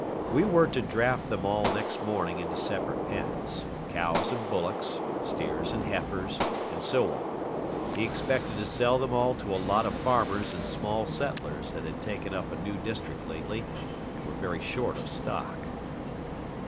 We were to draft them all next morning into separate pens cows and bullocks, steers and heifers, and so on. He expected to sell them all to a lot of farmers and small settlers that had taken up a new district lately and were very short of stock.